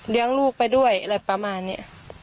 ลูกไปด้วยอะไรประมาณนี้